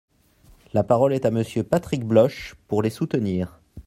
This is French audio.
La parole est à Monsieur Patrick Bloche, pour les soutenir.